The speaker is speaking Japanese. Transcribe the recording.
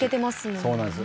そうなんです。